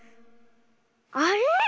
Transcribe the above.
あれ⁉